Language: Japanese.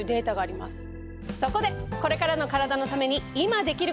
そこでこれからのカラダのために今できること！